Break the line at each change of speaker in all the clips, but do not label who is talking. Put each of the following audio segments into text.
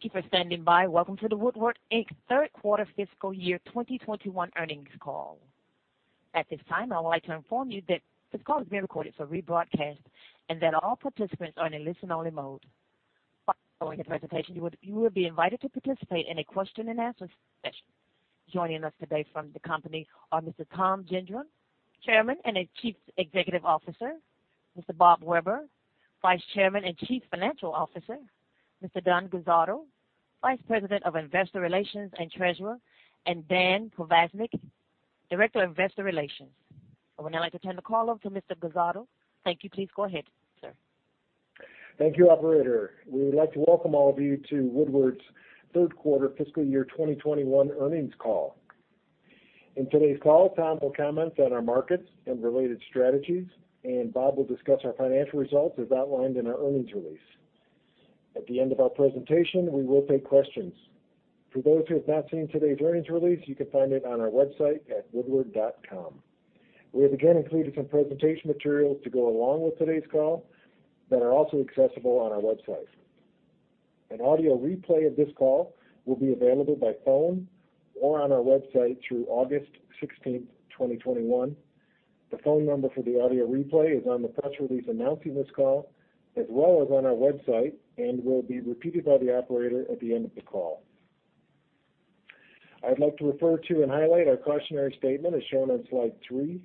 Thank you for standing by. Welcome to the Woodward, Inc. third quarter fiscal year 2021 earnings call. At this time, I would like to inform you that this call is being recorded for rebroadcast, and that all participants are in a listen-only mode. Following the presentation, you will be invited to participate in a question-and-answer session. Joining us today from the company are Mr. Tom Gendron, Chairman and Chief Executive Officer, Mr. Bob Weber, Vice Chairman and Chief Financial Officer, Mr. Don Guzzardo, Vice President of Investor Relations and Treasurer, and Dan Provaznik, Director of Investor Relations. I would now like to turn the call over to Mr. Guzzardo. Thank you. Please go ahead, sir.
Thank you, operator. We would like to welcome all of you to Woodward's third quarter fiscal year 2021 earnings call. In today's call, Tom will comment on our markets and related strategies, and Bob will discuss our financial results as outlined in our earnings release. At the end of our presentation, we will take questions. For those who have not seen today's earnings release, you can find it on our website at woodward.com. We have again included some presentation materials to go along with today's call that are also accessible on our website. An audio replay of this call will be available by phone or on our website through August 16th, 2021. The phone number for the audio replay is on the press release announcing this call, as well as on our website, and will be repeated by the operator at the end of the call. I'd like to refer to and highlight our cautionary statement as shown on slide three.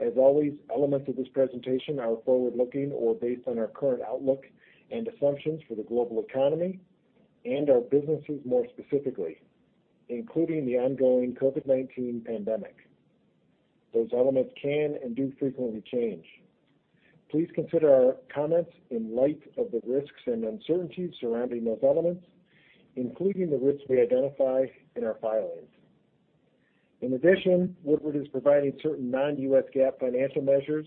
As always, elements of this presentation are forward-looking or based on our current outlook and assumptions for the global economy and our businesses more specifically, including the ongoing COVID-19 pandemic. Those elements can and do frequently change. Please consider our comments in light of the risks and uncertainties surrounding those elements, including the risks we identify in our filings. In addition, Woodward is providing certain non-U.S. GAAP financial measures.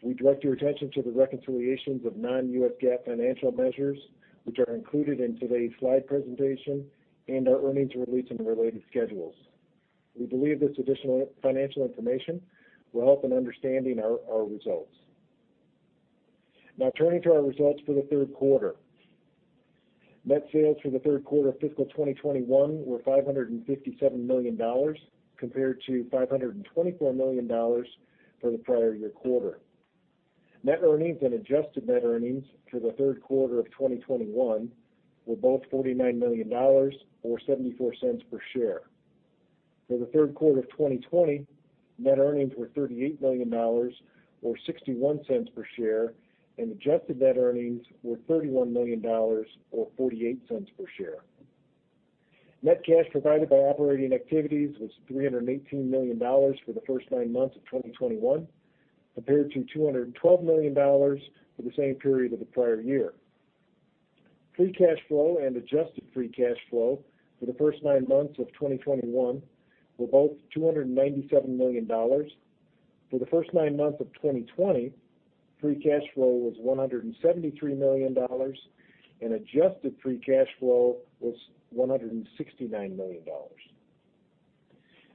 We direct your attention to the reconciliations of non-U.S. GAAP financial measures, which are included in today's slide presentation and our earnings release and related schedules. We believe this additional financial information will help in understanding our results. Now turning to our results for the third quarter. Net sales for the third quarter of fiscal 2021 were $557 million compared to $524 million for the prior year quarter. Net earnings and adjusted net earnings for the third quarter of 2021 were both $49 million, or $0.74 per share. For the third quarter of 2020, net earnings were $38 million, or $0.61 per share, and adjusted net earnings were $31 million, or $0.48 per share. Net cash provided by operating activities was $318 million for the first nine months of 2021 compared to $212 million for the same period of the prior year. Free cash flow and adjusted free cash flow for the first nine months of 2021 were both $297 million. For the first nine months of 2020, free cash flow was $173 million, and adjusted free cash flow was $169 million.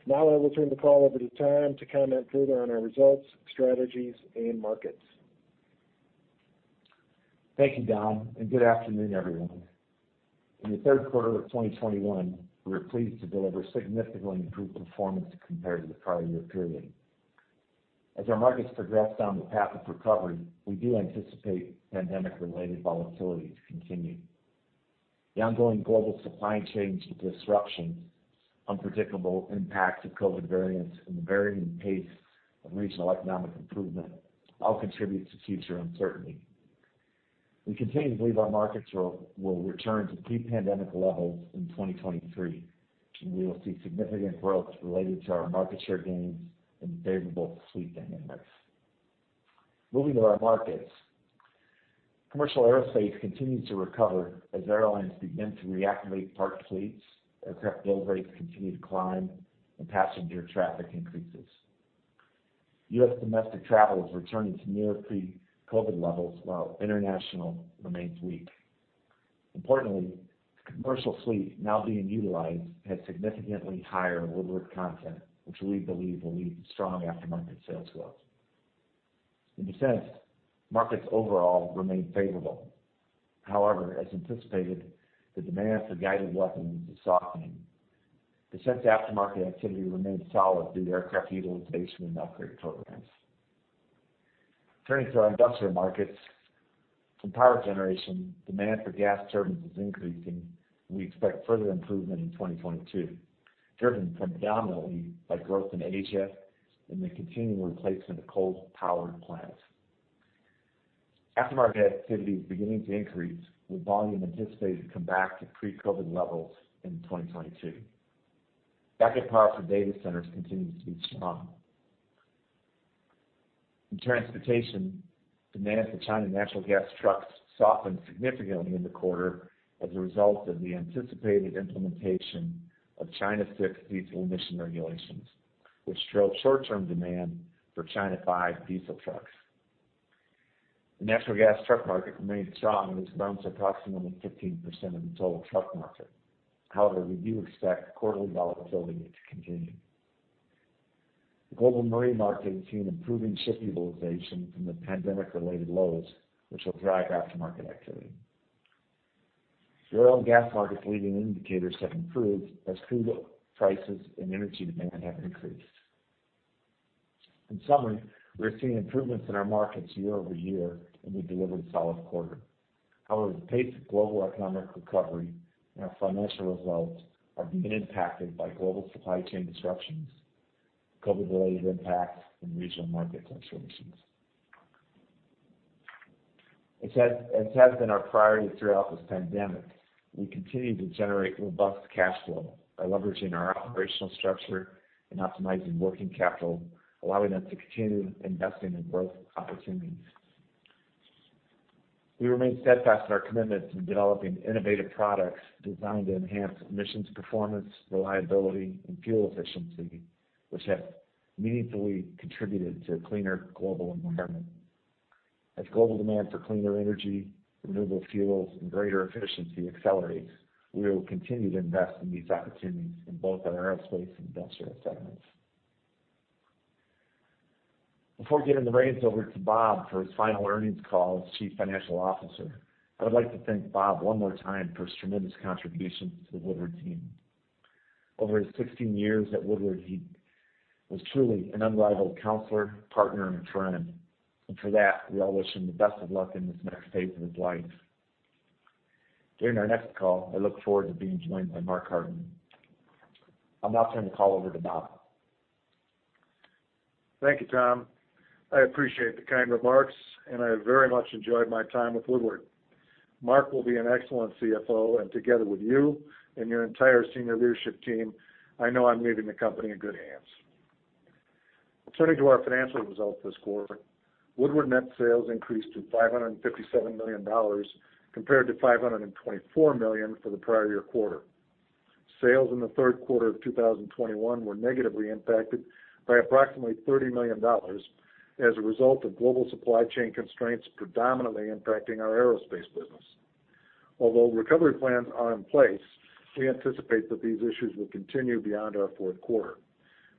Now I will turn the call over to Tom to comment further on our results, strategies, and markets.
Thank you, Don, and good afternoon, everyone. In the third quarter of 2021, we were pleased to deliver significantly improved performance compared to the prior year period. As our markets progress down the path of recovery, we do anticipate pandemic-related volatility to continue. The ongoing global supply chain disruptions, unpredictable impacts of COVID variants, and the varying pace of regional economic improvement all contribute to future uncertainty. We continue to believe our markets will return to pre-pandemic levels in 2023, and we will see significant growth related to our market share gains and favorable fleet dynamics. Moving to our markets. Commercial aerospace continues to recover as airlines begin to reactivate parked fleets, aircraft build rates continue to climb, and passenger traffic increases. U.S. domestic travel is returning to near pre-COVID levels, while international remains weak. Importantly, the commercial fleet now being utilized has significantly higher Woodward content, which we believe will lead to strong aftermarket sales growth. In defense, markets overall remain favorable. However, as anticipated, the demand for guided weapons is softening. Defense aftermarket activity remains solid through aircraft utilization and upgrade programs. Turning to our industrial markets. In power generation, demand for gas turbines is increasing, and we expect further improvement in 2022, driven predominantly by growth in Asia and the continuing replacement of coal-powered plants. Aftermarket activity is beginning to increase, with volume anticipated to come back to pre-COVID levels in 2022. Backup power for data centers continues to be strong. In transportation, demand for China natural gas trucks softened significantly in the quarter as a result of the anticipated implementation of China VI diesel emission regulations, which drove short-term demand for China V diesel trucks. The natural gas truck market remains strong and is around approximately 15% of the total truck market. We do expect quarterly volatility to continue. The global marine market is seeing improving ship utilization from the pandemic-related lows, which will drive aftermarket activity. The oil and gas market's leading indicators have improved as crude oil prices and energy demand have increased. In summary, we are seeing improvements in our markets year-over-year, and we delivered a solid quarter. The pace of global economic recovery and our financial results have been impacted by global supply chain disruptions, COVID related impacts, and regional market uncertainties. As has been our priority throughout this pandemic, we continue to generate robust cash flow by leveraging our operational structure and optimizing working capital, allowing us to continue investing in growth opportunities. We remain steadfast in our commitment to developing innovative products designed to enhance emissions performance, reliability, and fuel efficiency, which have meaningfully contributed to a cleaner global environment. As global demand for cleaner energy, renewable fuels, and greater efficiency accelerates, we will continue to invest in these opportunities in both our aerospace and industrial segments. Before giving the reins over to Bob for his final earnings call as Chief Financial Officer, I would like to thank Bob one more time for his tremendous contributions to the Woodward team. Over his 16 years at Woodward, he was truly an unrivaled counselor, partner, and friend, and for that, we all wish him the best of luck in this next phase of his life. During our next call, I look forward to being joined by Mark Hartman. I'll now turn the call over to Bob.
Thank you, Tom. I appreciate the kind remarks, and I have very much enjoyed my time with Woodward. Mark will be an excellent CFO, and together with you and your entire senior leadership team, I know I'm leaving the company in good hands. Turning to our financial results this quarter, Woodward net sales increased to $557 million compared to $524 million for the prior year quarter. Sales in the third quarter of 2021 were negatively impacted by approximately $30 million as a result of global supply chain constraints predominantly impacting our aerospace business. Although recovery plans are in place, we anticipate that these issues will continue beyond our fourth quarter.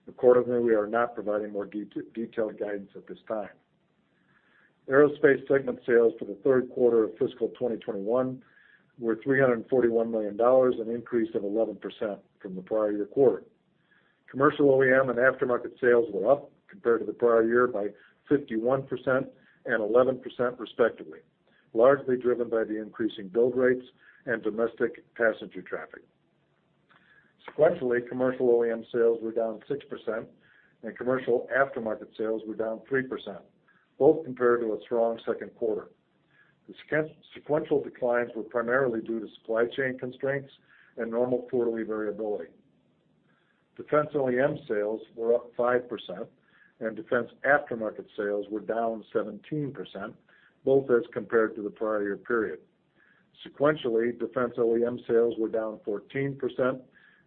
Accordingly, we are not providing more detailed guidance at this time. Aerospace segment sales for the third quarter of fiscal 2021 were $341 million, an increase of 11% from the prior year quarter. Commercial OEM and aftermarket sales were up compared to the prior year by 51% and 11%, respectively, largely driven by the increasing build rates and domestic passenger traffic. Sequentially, commercial OEM sales were down 6%, and commercial aftermarket sales were down 3%, both compared to a strong second quarter. The sequential declines were primarily due to supply chain constraints and normal quarterly variability. Defense OEM sales were up 5%, and defense aftermarket sales were down 17%, both as compared to the prior year period. Sequentially, defense OEM sales were down 14%,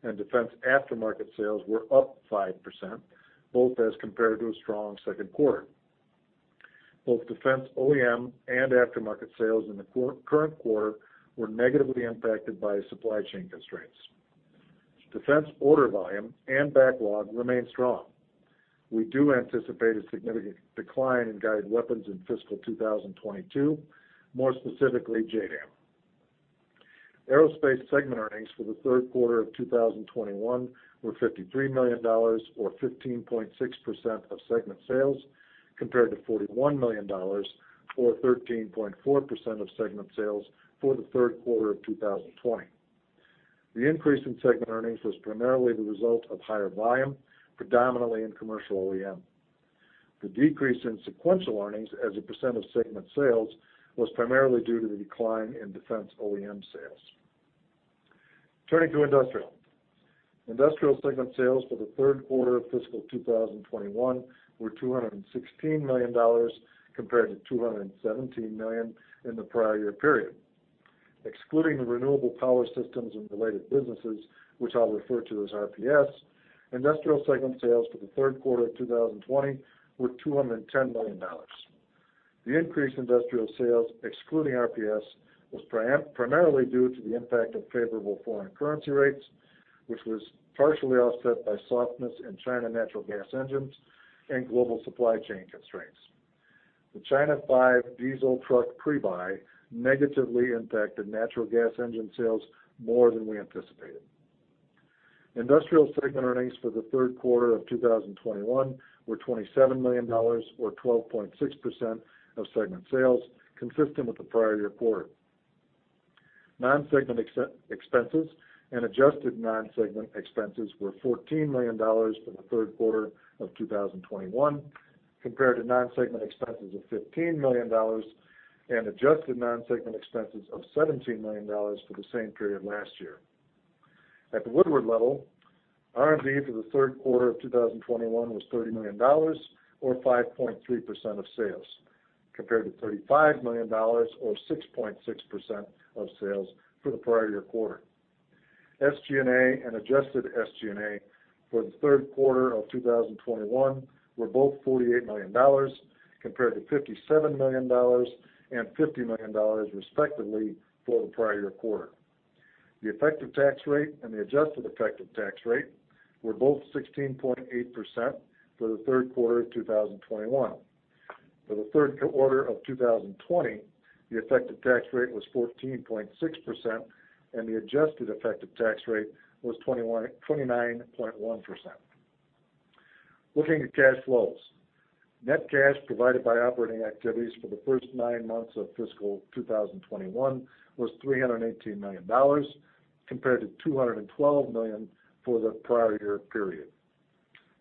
and defense aftermarket sales were up 5%, both as compared to a strong second quarter. Both defense OEM and aftermarket sales in the current quarter were negatively impacted by supply chain constraints. Defense order volume and backlog remain strong. We do anticipate a significant decline in guided weapons in fiscal 2022, more specifically JDAM. Aerospace segment earnings for the third quarter of 2021 were $53 million, or 15.6% of segment sales, compared to $41 million, or 13.4% of segment sales, for the third quarter of 2020. The increase in segment earnings was primarily the result of higher volume, predominantly in commercial OEM. The decrease in sequential earnings as a percentage of segment sales was primarily due to the decline in defense OEM sales. Turning to industrial. Industrial segment sales for the third quarter of fiscal 2021 were $216 million compared to $217 million in the prior year period. Excluding the renewable power systems and related businesses, which I'll refer to as RPS, industrial segment sales for the third quarter of 2020 were $210 million. The increased industrial sales, excluding RPS, was primarily due to the impact of favorable foreign currency rates, which was partially offset by softness in China natural gas engines and global supply chain constraints. The China V diesel truck pre-buy negatively impacted natural gas engine sales more than we anticipated. Industrial segment earnings for the third quarter of 2021 were $27 million, or 12.6% of segment sales, consistent with the prior year quarter. Non-segment expenses and adjusted non-segment expenses were $14 million for the third quarter of 2021, compared to non-segment expenses of $15 million and adjusted non-segment expenses of $17 million for the same period last year. At the Woodward level, R&D for the third quarter of 2021 was $30 million, or 5.3% of sales, compared to $35 million or 6.6% of sales for the prior year quarter. SG&A and adjusted SG&A for the third quarter of 2021 were both $48 million, compared to $57 million and $50 million, respectively, for the prior year quarter. The effective tax rate and the adjusted effective tax rate were both 16.8% for the third quarter of 2021. For the third quarter of 2020, the effective tax rate was 14.6%, and the adjusted effective tax rate was 29.1%. Looking at cash flows. Net cash provided by operating activities for the first nine months of fiscal 2021 was $318 million, compared to $212 million for the prior year period.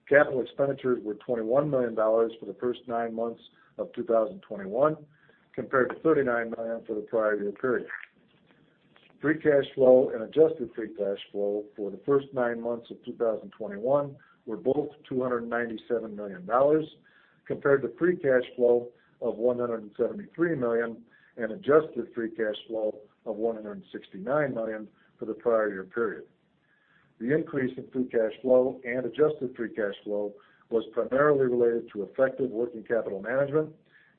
Capital expenditures were $21 million for the first nine months of 2021, compared to $39 million for the prior year period. Free cash flow and adjusted free cash flow for the first nine months of 2021 were both $297 million, compared to free cash flow of $173 million and adjusted free cash flow of $169 million for the prior year period. The increase in free cash flow and adjusted free cash flow was primarily related to effective working capital management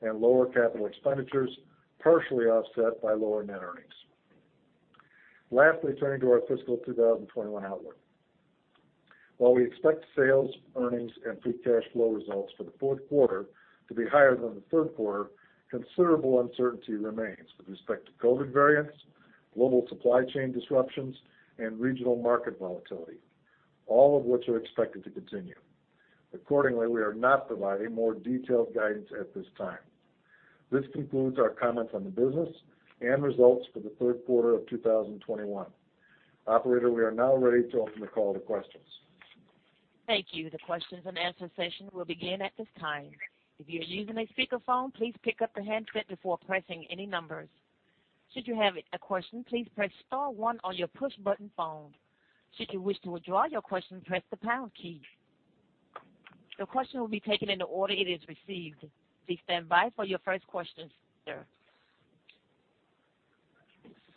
and lower capital expenditures, partially offset by lower net earnings. Turning to our fiscal 2021 outlook. While we expect sales, earnings, and free cash flow results for the fourth quarter to be higher than the third quarter, considerable uncertainty remains with respect to COVID variants, global supply chain disruptions, and regional market volatility, all of which are expected to continue. We are not providing more detailed guidance at this time. This concludes our comments on the business and results for the third quarter of 2021. Operator, we are now ready to open the call to questions.
Thank you. The questions and answer session will begin at this time.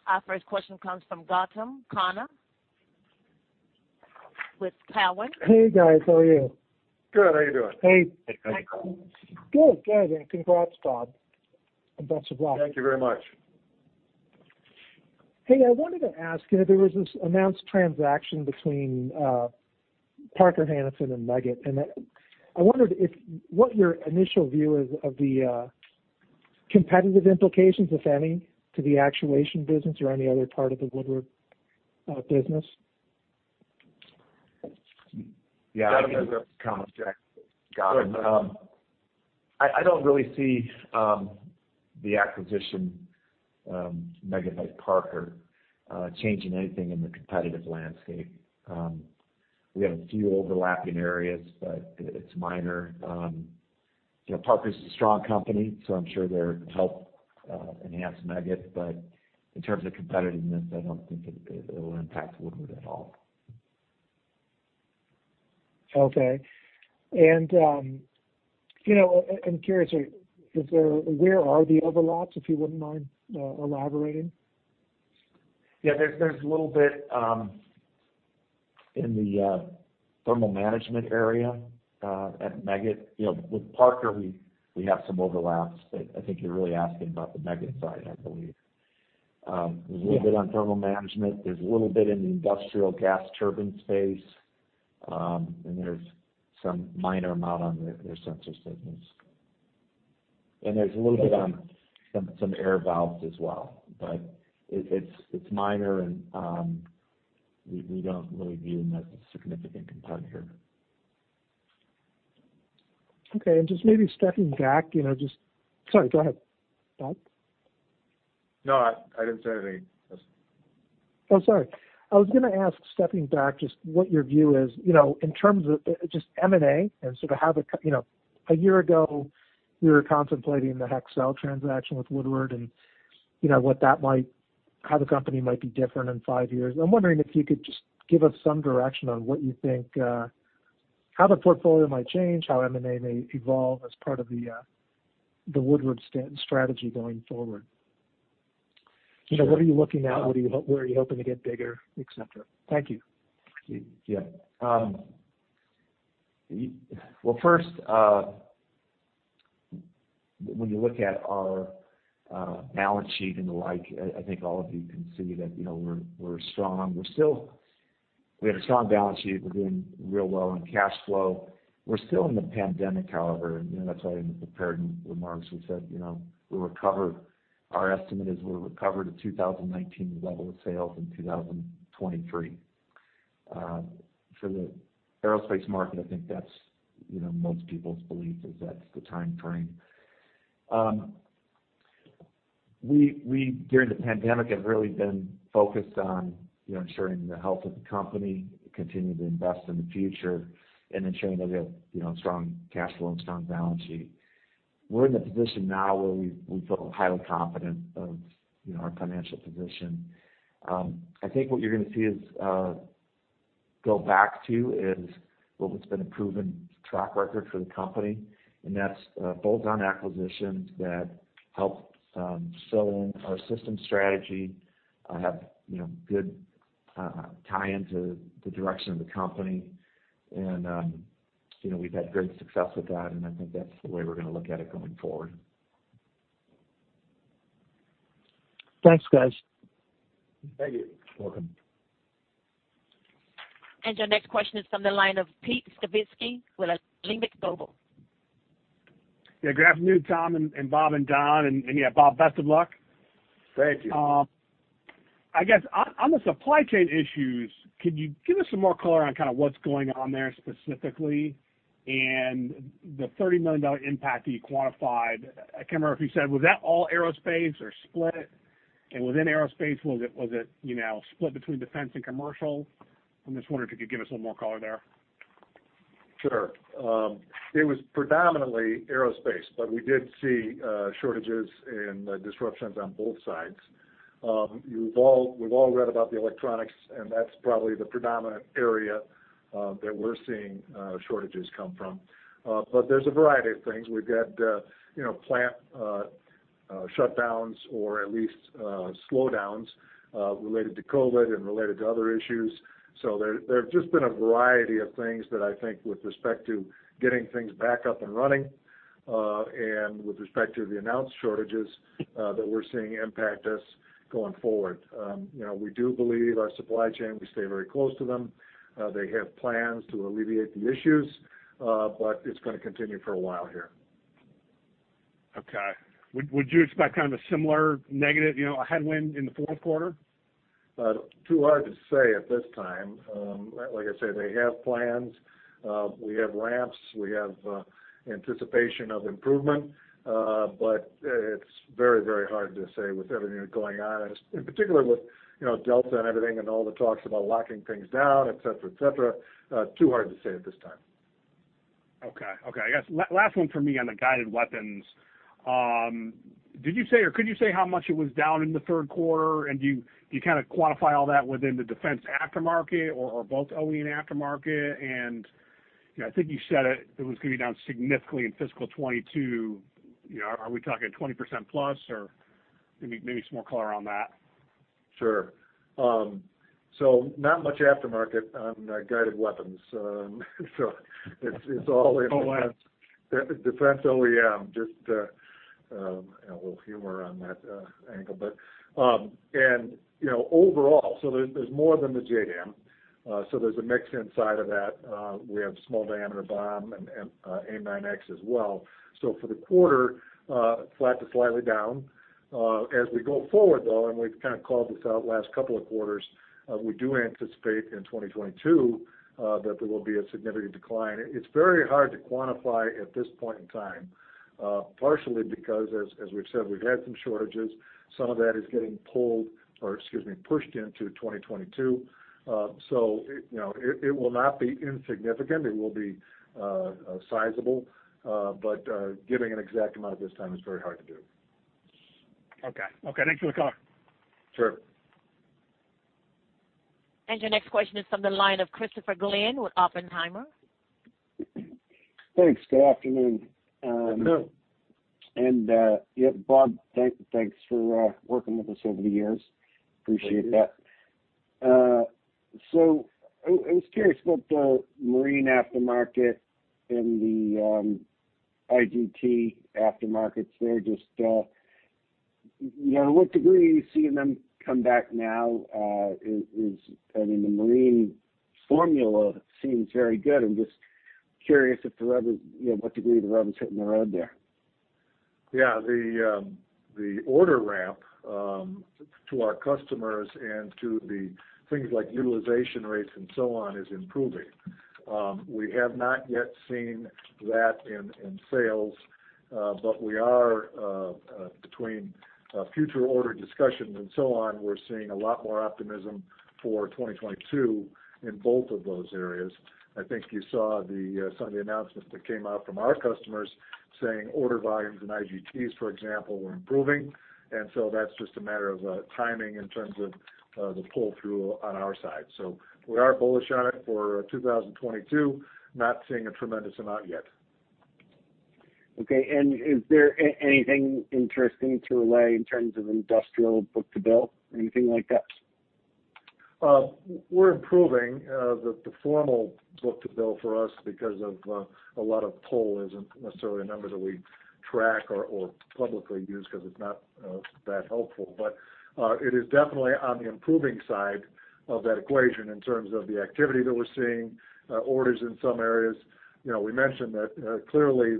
Our first question comes from Gautam Khanna with Cowen.
Hey, guys. How are you?
Good. How are you doing?
Good. Congrats, Bob, and best of luck.
Thank you very much.
I wanted to ask, there was this announced transaction between Parker-Hannifin and Meggitt. I wondered what your initial view is of the competitive implications, if any, to the actuation business or any other part of the Woodward business?
I don't really see the acquisition, Meggitt by Parker, changing anything in the competitive landscape. We have a few overlapping areas, but it's minor. Parker's a strong company, I'm sure they'll help enhance Meggitt. In terms of competitiveness, I don't think it will impact Woodward at all.
Okay. I'm curious, where are the overlaps, if you wouldn't mind elaborating?
There's a little bit in the thermal management area at Meggitt. With Parker, we have some overlaps, but I think you're really asking about the Meggitt side, I believe. There's a little bit on thermal management. There's a little bit in the Industrial Gas Turbines space. There's some minor amount on their sensors business. There's a little bit on some air valves as well. It's minor, and we don't really view them as a significant competitor.
Maybe stepping back, Sorry, go ahead, Bob.
No, I didn't say anything.
Oh, sorry. I was going to ask, stepping back, just what your view is, in terms of just M&A and sort of how, a year ago, you were contemplating the Hexcel transaction with Woodward and how the company might be different in five years. I'm wondering if you could just give us some direction on what you think, how the portfolio might change, how M&A may evolve as part of the Woodward strategy going forward. What are you looking at? Where are you hoping to get bigger, et cetera? Thank you.
Well, first, when you look at our balance sheet and the like, I think all of you can see that we're strong. We have a strong balance sheet. We're doing real well on cash flow. We're still in the pandemic, however, and that's why in the prepared remarks, we said our estimate is we'll recover to 2019 level of sales in 2023. For the aerospace market, I think that's most people's belief is that's the timeframe. We, during the pandemic, have really been focused on ensuring the health of the company, continuing to invest in the future, and ensuring that we have strong cash flow and a strong balance sheet. We're in the position now where we feel highly confident of our financial position. I think what you're going to see us go back to is what has been a proven track record for the company, and that's bolt-on acquisitions that help fill in our systems strategy, have good tie into the direction of the company. We've had great success with that, and I think that's the way we're going to look at it going forward.
Thanks, guys.
Thank you.
Your next question is from the line of Pete Skibitski with Alembic Global.
Good afternoon, Tom and Bob and Don, and yeah, Bob, best of luck.
Thank you.
I guess on the supply chain issues, could you give us some more color on kind of what's going on there specifically, and the $30 million impact that you quantified? I can't remember if you said, was that all aerospace or split? Within aerospace, was it split between defense and commercial? I'm just wondering if you could give us a little more color there.
It was predominantly aerospace, but we did see shortages and disruptions on both sides. We've all read about the electronics, and that's probably the predominant area that we're seeing shortages come from. There's a variety of things. We've had plant shutdowns or at least slowdowns related to COVID and related to other issues. There have just been a variety of things that I think with respect to getting things back up and running, and with respect to the announced shortages, that we're seeing impact us going forward. We do believe our supply chain. We stay very close to them. They have plans to alleviate the issues. It's going to continue for a while here.
Would you expect kind of a similar negative, a headwind in the fourth quarter?
Too hard to say at this time. Like I said, they have plans. We have ramps. We have anticipation of improvement. It's very hard to say with everything that's going on, in particular with Delta and everything and all the talks about locking things down, et cetera. Too hard to say at this time.
I guess last one for me on the guided weapons. Did you say, or could you say how much it was down in the third quarter? Do you kind of quantify all that within the defense aftermarket or both OE and aftermarket? I think you said it was going to be down significantly in fiscal 2022. Are we talking 20%+ or maybe some more color on that?
Not much aftermarket on guided weapons. It's all defense OEM. Just a little humor on that angle. Overall, there's more than the JDAM. There's a mix inside of that. We have Small Diameter Bomb and AIM-9X as well. For the quarter, flat to slightly down. As we go forward, though, and we've kind of called this out last couple of quarters, we do anticipate in 2022 that there will be a significant decline. It's very hard to quantify at this point in time, partially because, as we've said, we've had some shortages. Some of that is getting pushed into 2022. It will not be insignificant. It will be sizable. Giving an exact amount at this time is very hard to do.
Thanks for the color.
Your next question is from the line of Christopher Glynn with Oppenheimer.
Thanks. Good afternoon.
Good afternoon.
Bob, thanks for working with us over the years. Appreciate that.
Thank you.
I was curious about the marine aftermarket and the IGT aftermarkets there. To what degree are you seeing them come back now? I mean, the marine formula seems very good. I'm just curious what degree the rubber's hitting the road there.
The order ramp to our customers and to the things like utilization rates and so on is improving. We have not yet seen that in sales. Between future order discussions and so on, we're seeing a lot more optimism for 2022 in both of those areas. I think you saw some of the announcements that came out from our customers saying order volumes in IGTs, for example, were improving. That's just a matter of timing in terms of the pull-through on our side. We are bullish on it for 2022. Not seeing a tremendous amount yet.
Is there anything interesting to relay in terms of industrial book-to-bill? Anything like that?
We're improving. The formal book-to-bill for us because of a lot of pull isn't necessarily a number that we track or publicly use because it's not that helpful. It is definitely on the improving side of that equation in terms of the activity that we're seeing, orders in some areas. We mentioned that clearly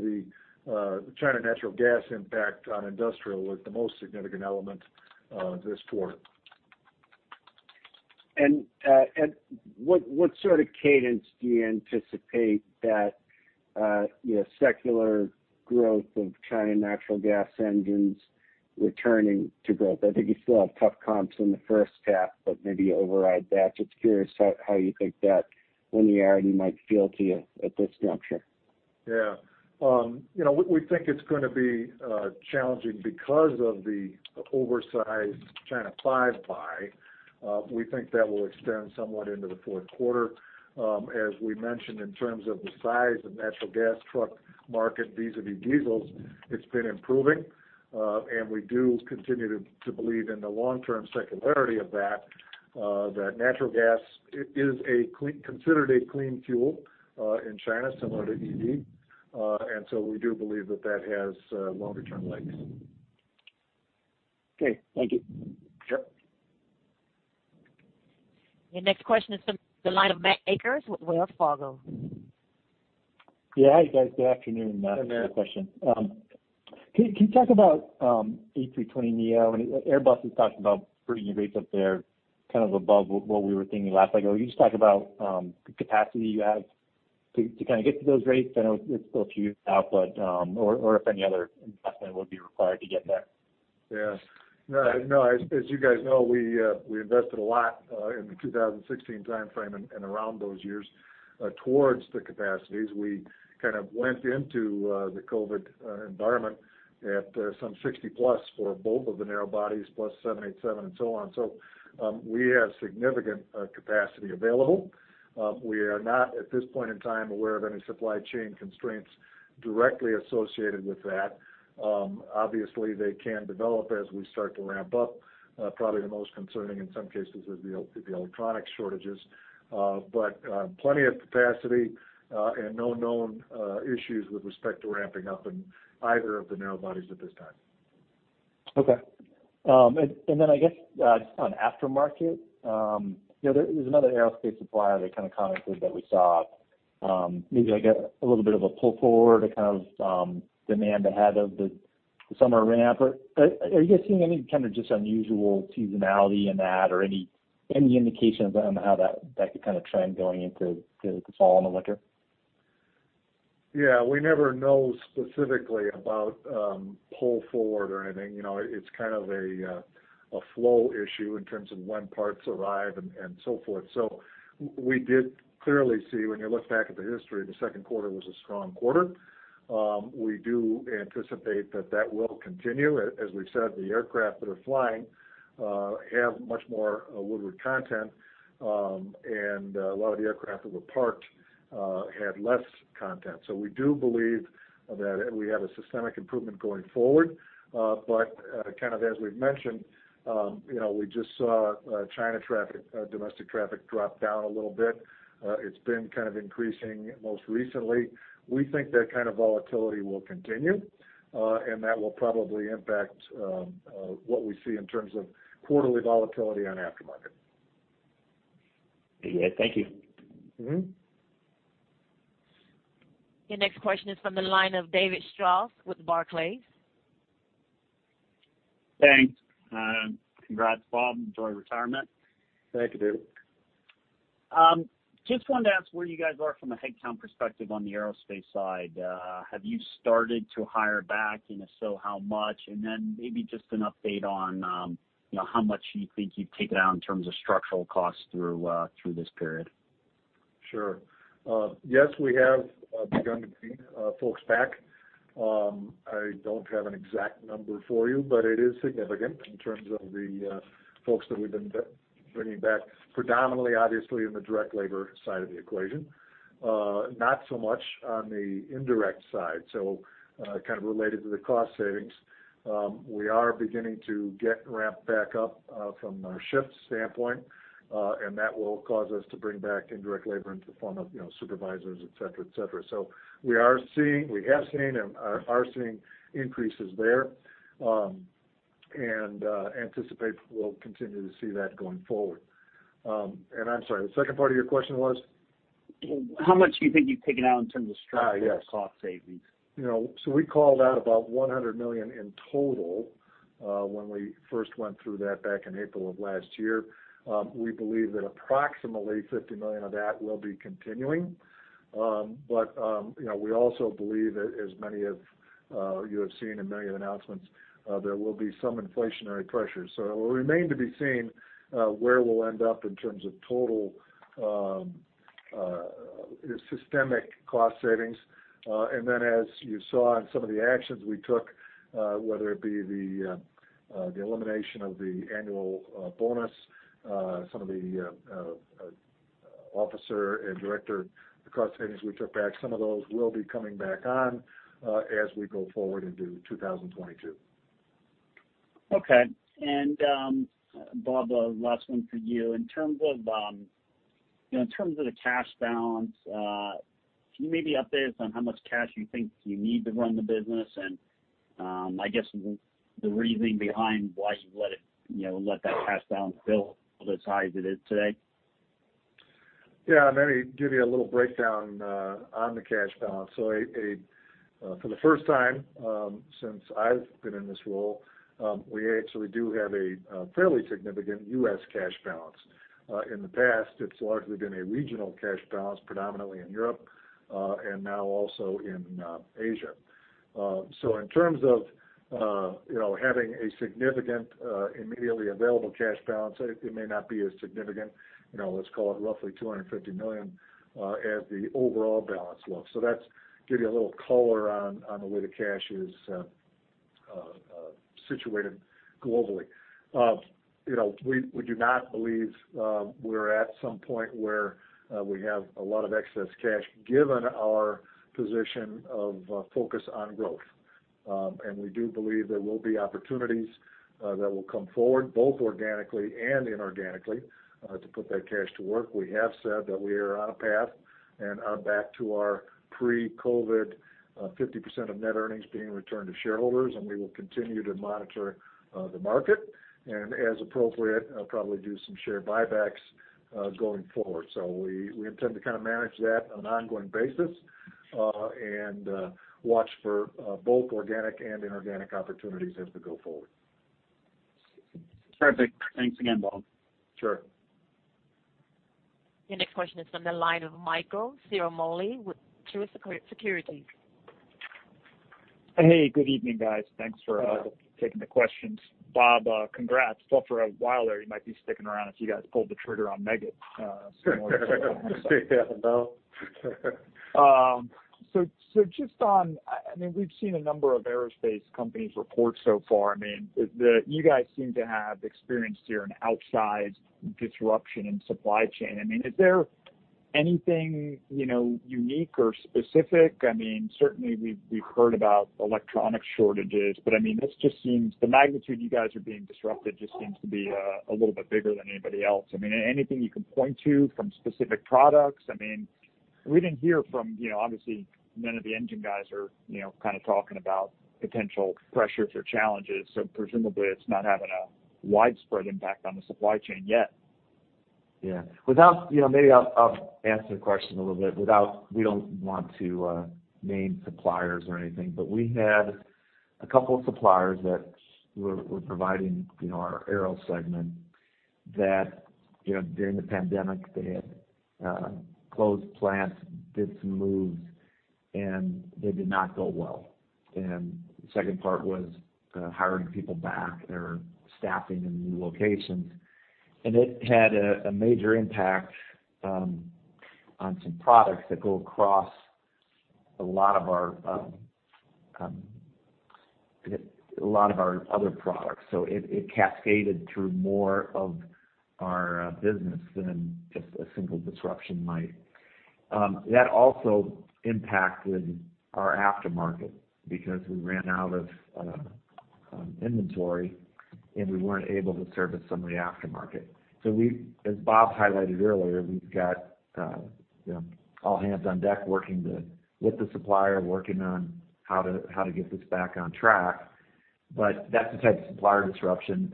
the China natural gas impact on industrial was the most significant element this quarter.
What sort of cadence do you anticipate that secular growth of China natural gas engines returning to growth? I think you still have tough comps in the first half, but maybe override that. Just curious how you think that linearity might feel to you at this juncture.
We think it's going to be challenging because of the oversized China V buy. We think that will extend somewhat into the fourth quarter. As we mentioned, in terms of the size of natural gas truck market vis-a-vis diesels, it's been improving. We do continue to believe in the long-term secularity of that natural gas is considered a clean fuel in China, similar to EV. We do believe that that has longer term legs.
Okay. Thank you.
Your next question is from the line of Matt Akers with Wells Fargo.
Hi, guys. Good afternoon.
Hey, Matt.
I have a question. Can you talk about A320neo? Airbus has talked about bringing rates up there, kind of above what we were thinking last. Can you just talk about the capacity you have to get to those rates? I know it's still a few out, or if any other investment would be required to get there.
As you guys know, we invested a lot in the 2016 timeframe, and around those years towards the capacities. We kind of went into the COVID-19 environment at some 60+ for both of the narrow bodies, plus 787 and so on. We have significant capacity available. We are not, at this point in time, aware of any supply chain constraints directly associated with that. Obviously, they can develop as we start to ramp up. Probably the most concerning, in some cases, is the electronic shortages. Plenty of capacity, and no known issues with respect to ramping up in either of the narrow bodies at this time.
I guess, just on aftermarket, there is another aerospace supplier that kind of commented that we saw maybe a little bit of a pull-forward of demand ahead of the summer ramp. Are you guys seeing any kind of just unusual seasonality in that, or any indication of how that could kind of trend going into the fall and the winter?
We never know specifically about pull forward or anything. It's kind of a flow issue in terms of when parts arrive and so forth. We did clearly see, when you look back at the history, the second quarter was a strong quarter. We do anticipate that that will continue. As we've said, the aircraft that are flying have much more Woodward content, and a lot of the aircraft that were parked had less content. We do believe that we have a systemic improvement going forward. Kind of as we've mentioned, we just saw China domestic traffic drop down a little bit. It's been kind of increasing most recently. We think that kind of volatility will continue, and that will probably impact what we see in terms of quarterly volatility on aftermarket.
Thank you.
Your next question is from the line of David Strauss with Barclays.
Thanks, and congrats, Bob. Enjoy retirement.
Thank you, David.
Just wanted to ask where you guys are from a headcount perspective on the aerospace side. Have you started to hire back? If so, how much? Then maybe just an update on how much you think you've taken out in terms of structural costs through this period.
Yes, we have begun to bring folks back. I don't have an exact number for you, but it is significant in terms of the folks that we've been bringing back, predominantly, obviously, in the direct labor side of the equation. Not so much on the indirect side. Kind of related to the cost savings, we are beginning to get ramped back up from a shift standpoint, and that will cause us to bring back indirect labor into the form of supervisors, et cetera. We have seen and are seeing increases there, and anticipate we'll continue to see that going forward. I'm sorry, the second part of your question was?
How much do you think you've taken out in terms of structural cost savings?
We called out about $100 million in total when we first went through that back in April of last year. We believe that approximately $50 million of that will be continuing. We also believe that, as many of you have seen in many announcements, there will be some inflationary pressures. It will remain to be seen where we'll end up in terms of total systemic cost savings. Then as you saw in some of the actions we took, whether it be the elimination of the annual bonus, some of the officer and director cost savings we took back, some of those will be coming back on as we go forward into 2022.
Bob, a last one for you. In terms of the cash balance, can you maybe update us on how much cash you think you need to run the business, and I guess the reasoning behind why you've let that cash balance build to the size it is today?
Let me give you a little breakdown on the cash balance. For the first time since I've been in this role, we actually do have a fairly significant U.S. cash balance. In the past, it's largely been a regional cash balance, predominantly in Europe, and now also in Asia. In terms of having a significant immediately available cash balance, it may not be as significant, let's call it roughly $250 million, as the overall balance looks. That's giving you a little color on the way the cash is situated globally. We do not believe we're at some point where we have a lot of excess cash given our position of focus on growth. We do believe there will be opportunities that will come forward, both organically and inorganically, to put that cash to work. We have said that we are on a path and are back to our pre-COVID 50% of net earnings being returned to shareholders, and we will continue to monitor the market, and as appropriate, I'll probably do some share buybacks going forward. We intend to manage that on an ongoing basis, and watch for both organic and inorganic opportunities as we go forward.
Perfect. Thanks again, Bob.
Your next question is from the line of Michael Ciarmoli with Truist Securities.
Hey, good evening, guys. Thanks for taking the questions. Bob, congrats. Thought for a while there you might be sticking around if you guys pulled the trigger on Meggitt. Just on, we've seen a number of aerospace companies report so far. You guys seem to have experienced here an outsized disruption in supply chain. Is there anything unique or specific? Certainly, we've heard about electronic shortages. But the magnitude you guys are being disrupted just seems to be a little bit bigger than anybody else. Anything you can point to from specific products? We didn't hear from, obviously, none of the engine guys are talking about potential pressures or challenges, presumably it's not having a widespread impact on the supply chain yet.
Maybe I'll answer the question a little bit. We don't want to name suppliers or anything, but we had a couple of suppliers that were providing our aero segment that, during the pandemic, they had closed plants, did some moves, and they did not go well. The second part was hiring people back or staffing in new locations. It had a major impact on some products that go across a lot of our other products. It cascaded through more of our business than just a single disruption might. That also impacted our aftermarket because we ran out of inventory, and we weren't able to service some of the aftermarket. As Bob highlighted earlier, we've got all hands on deck with the supplier, working on how to get this back on track. That's the type of supplier disruption.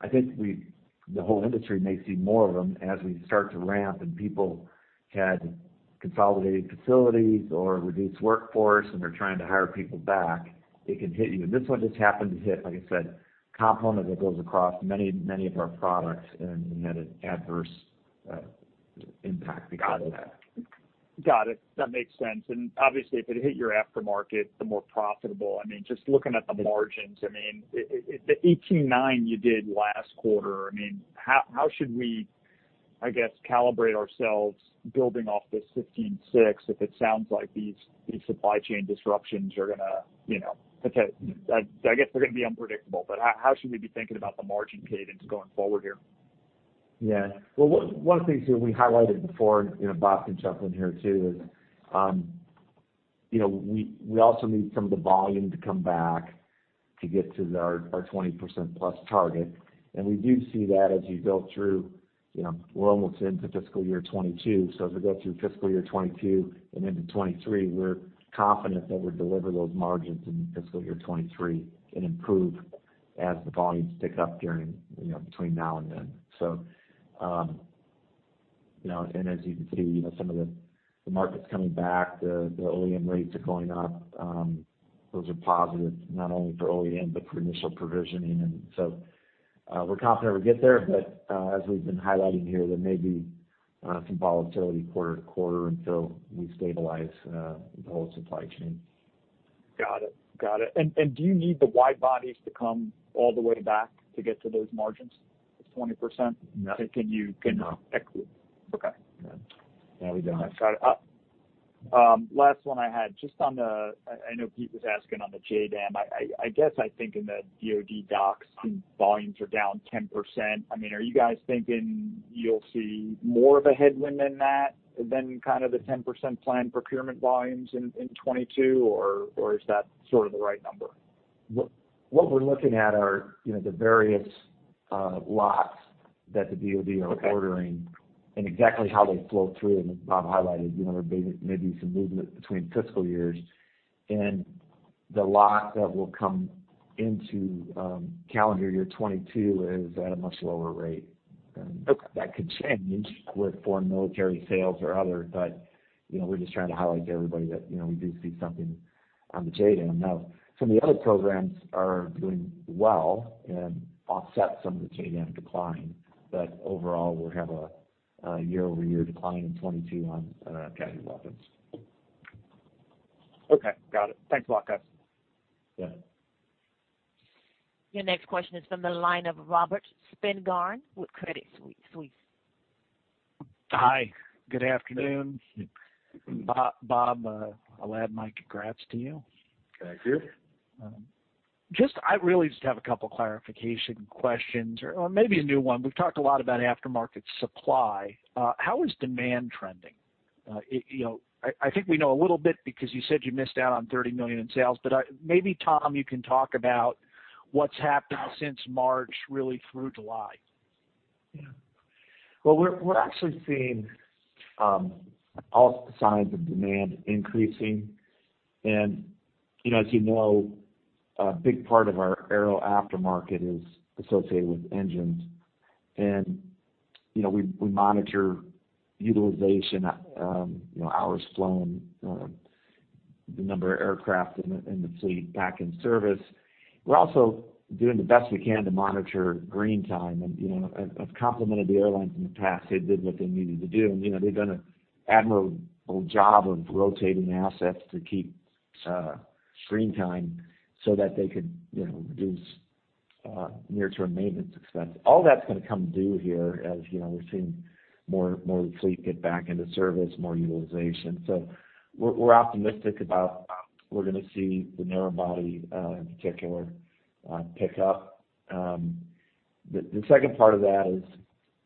I think the whole industry may see more of them as we start to ramp and people had consolidated facilities or reduced workforce, and they're trying to hire people back. It can hit you. This one just happened to hit, like I said, component that goes across many of our products, and it had an adverse impact because of that.
That makes sense. Obviously, if it hit your aftermarket, the more profitable. Just looking at the margins, the 18.9% you did last quarter, how should we calibrate ourselves building off this 15.6% if it sounds like these supply chain disruptions are going to be unpredictable, but how should we be thinking about the margin cadence going forward here?
Well, one of the things that we highlighted before, Bob can jump in here, too, is we also need some of the volume to come back to get to our 20%+ target. We do see that as you go through, we're almost into fiscal year 2022. As we go through fiscal year 2022 and into 2023, we're confident that we'll deliver those margins in fiscal year 2023 and improve as the volumes pick up during, between now and then. As you can see, some of the market's coming back. The OEM rates are going up. Those are positive not only for OEM, but for initial provisioning. We're confident we'll get there. As we've been highlighting here, there may be some volatility quarter to quarter until we stabilize the whole supply chain.
Do you need the wide bodies to come all the way back to get to those margins of 20%?
No.
Okay.
No, we don't.
Got it. Last one I had. I know Pete was asking on the JDAM. I guess, I think in the DoD docs, volumes are down 10%. Are you guys thinking you'll see more of a headwind than that than the 10% planned procurement volumes in 2022, or is that sort of the right number?
What we're looking at are the various lots that the DoD are ordering and exactly how they flow through. As Bob highlighted, there may be some movement between fiscal years. The lot that will come into calendar year 2022 is at a much lower rate. That could change with foreign military sales or other, but we're just trying to highlight to everybody that we do see something on the JDAM. Some of the other programs are doing well and offset some of the JDAM decline. Overall, we have a year-over-year decline in 2022 on guided weapons.
Okay. Got it. Thanks a lot, guys.
Your next question is from the line of Robert Spingarn with Credit Suisse.
Hi. Good afternoon. Bob, I'll add my congrats to you.
Thank you.
I really just have a couple clarification questions, or maybe a new one. We've talked a lot about aftermarket supply. How is demand trending? I think we know a little bit because you said you missed out on $30 million in sales, but maybe Tom, you can talk about what's happened since March, really through July.
Well, we're actually seeing all signs of demand increasing. As you know, a big part of our aero aftermarket is associated with engines. We monitor utilization, hours flown, the number of aircraft in the fleet back in service. We're also doing the best we can to monitor green time, and I've complimented the airlines in the past. They did what they needed to do, and they've done an admirable job of rotating assets to keep green time so that they could reduce near-term maintenance expense. All that's going to come due here, as we're seeing more of the fleet get back into service, more utilization. We're optimistic about we're going to see the narrow body, in particular, pick up. The second part of that is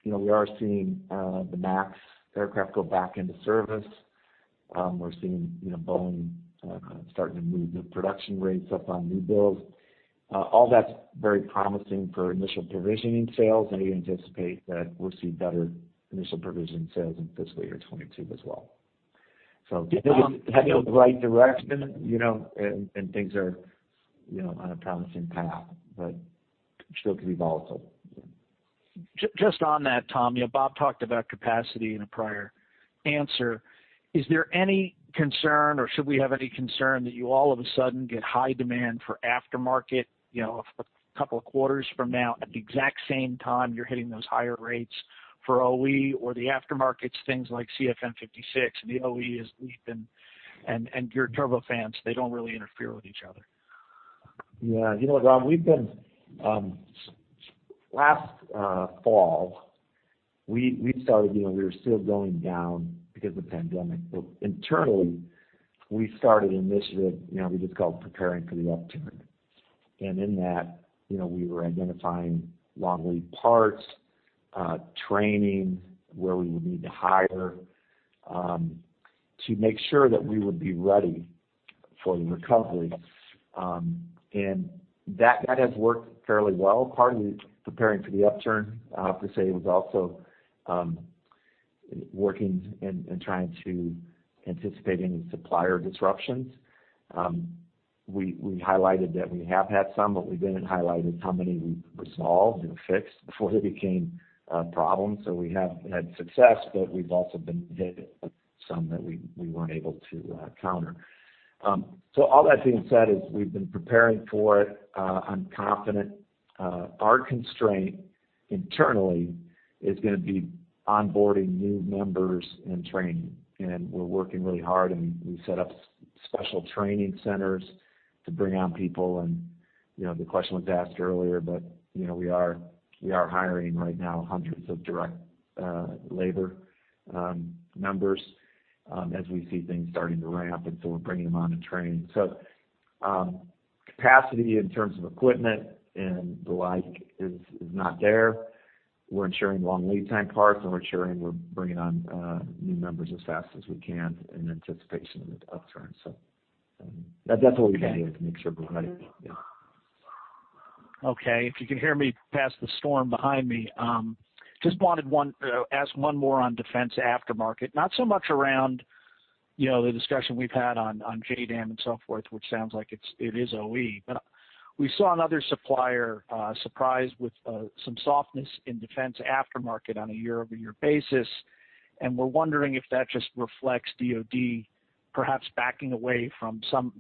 we are seeing the MAX aircraft go back into service. We're seeing Boeing starting to move the production rates up on new builds. All that's very promising for initial provisioning sales, and we anticipate that we'll see better initial provisioning sales in fiscal year 2022 as well. Heading in the right direction, and things are on a promising path, but still can be volatile.
Just on that, Tom, Bob talked about capacity in a prior answer. Is there any concern, or should we have any concern that you all of a sudden get high demand for aftermarket a couple quarters from now at the exact same time you're hitting those higher rates for OE or the aftermarkets, things like CFM56 and the OE is leaping, and your turbofans, they don't really interfere with each other?
You know what, Rob? Last fall, we were still going down because of the pandemic. Internally, we started an initiative we just called Preparing for the Upturn. In that, we were identifying long lead parts, training, where we would need to hire, to make sure that we would be ready for the recovery. That has worked fairly well. Part of Preparing for the Upturn, I have to say, was also working and trying to anticipate any supplier disruptions. We highlighted that we have had some, but we didn't highlight how many we resolved and fixed before they became a problem. We have had success, but we've also been hit with some that we weren't able to counter. All that being said is we've been preparing for it. I'm confident our constraint internally is going to be onboarding new members and training. We're working really hard, and we set up special training centers to bring on people. The question was asked earlier, but we are hiring right now hundreds of direct labor members as we see things starting to ramp. We're bringing them on to train. Capacity in terms of equipment and the like is not there. We're ensuring long lead time parts, and we're ensuring we're bringing on new members as fast as we can in anticipation of the upturn. That's what we've been doing to make sure we're ready.
If you can hear me past the storm behind me. Just wanted to ask one more on defense aftermarket, not so much around the discussion we've had on JDAM and so forth, which sounds like it is OE. We saw another supplier surprised with some softness in defense aftermarket on a year-over-year basis, and we're wondering if that just reflects DoD perhaps backing away from some